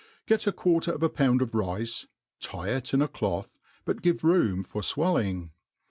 ' GET a quarter of a pound of rice, tie it in a cloth, but give room for fwelling.